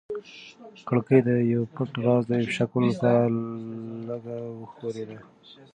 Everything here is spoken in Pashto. کړکۍ د یو پټ راز د افشا کولو لپاره لږه وښورېده.